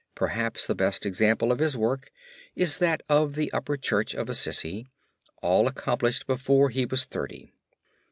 Perhaps the best example of his work is that of the upper Church of Assisi, all accomplished before he was thirty.